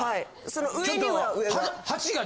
その上には上が。